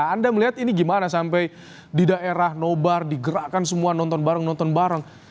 anda melihat ini gimana sampai di daerah nobar digerakkan semua nonton bareng nonton bareng